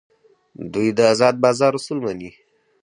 دوی د ازاد بازار اصول مني.